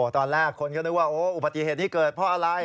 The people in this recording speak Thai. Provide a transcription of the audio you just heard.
ตอนแรกคนก็นึกว่าอุบัติเหตุนี้เกิดเพราะอะไร